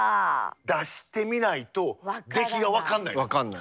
出してみないと出来が分かんない。